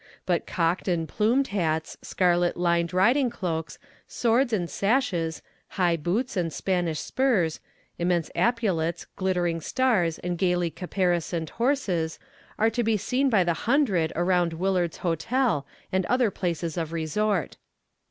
But cocked and plumed hats, scarlet lined riding cloaks, swords and sashes, high boots and Spanish spurs, immense epaulets, glittering stars, and gaily caparisoned horses, are to be seen by the hundred around Willard's hotel and other places of resort.